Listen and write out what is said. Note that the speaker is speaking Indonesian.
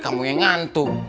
kamu yang ngantuk